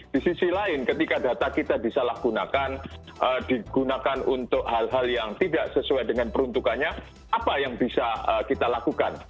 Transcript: di sisi lain ketika data kita disalahgunakan digunakan untuk hal hal yang tidak sesuai dengan peruntukannya apa yang bisa kita lakukan